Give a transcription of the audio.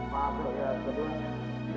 nanti keburu gelap